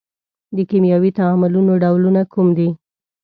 د کیمیاوي تعاملونو ډولونه کوم دي؟